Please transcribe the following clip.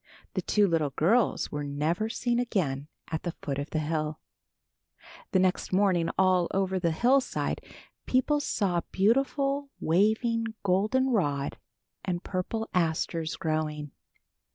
The two little girls were never seen again at the foot of the hill. The next morning all over the hillside people saw beautiful, waving golden rod and purple asters growing.